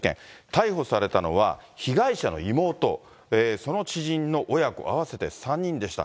逮捕されたのは、被害者の妹、その知人の親子合わせて３人でした。